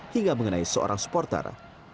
hingga mengenai seorang supporter